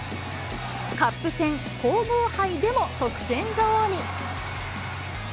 カップ戦、皇后杯でも得点女王に。